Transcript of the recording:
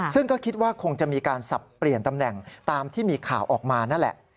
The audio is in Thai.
ซึ่งก็คิดว่าคงจะมีการสับเปลี่ยนตำแหน่งตามที่มีข่าวออกมานั่นแหละ